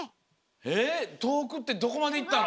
えっとおくってどこまでいったの？